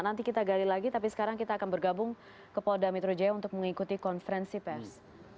nanti kita gali lagi tapi sekarang kita akan bergabung ke polda metro jaya untuk mengikuti konferensi pers